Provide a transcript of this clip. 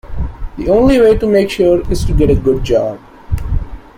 The only way to make sure is to get a good job